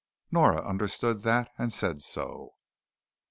Nora understood that, and said so.